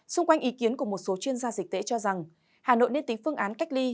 xung quanh ý kiến của một số chuyên gia dịch tễ cho rằng hà nội nên tính phương án cách ly